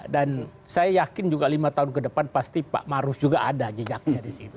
dan saya yakin juga lima tahun ke depan pasti pak maruf juga ada jejaknya disitu